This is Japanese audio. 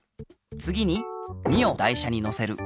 つぎに２を台車にのせる。